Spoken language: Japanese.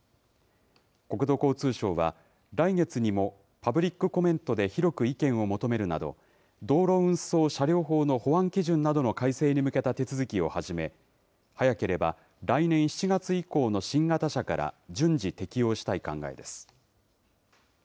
国土交通省は、来月にもパブリックコメントで広く意見を求めるなど、道路運送車両法の保安基準などの改正に向けた手続きを始め、早ければ、来年７月以降の新型車から順次適用したい考えです。